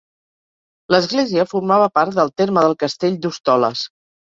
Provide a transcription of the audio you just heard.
L'església formava part del terme del castell d'Hostoles.